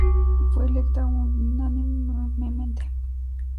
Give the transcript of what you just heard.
Fue electa unánimemente.